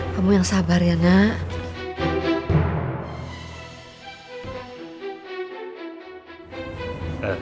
kamu yang sabar ya nak